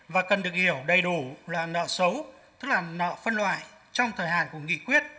và cần được hiểu đầy đủ là nợ xấu tức là nợ phân loại trong thời hạn của nghị quyết